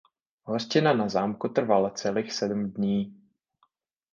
Hostina na zámku trvala celých sedm dní.